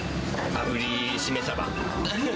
あぶりシメサバ。